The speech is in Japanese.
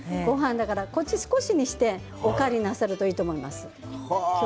こちらを少しにしてお代わりをなさるといいと思います。